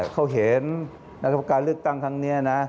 เขาเห็นณประการเลือกตั้งทั้งนี้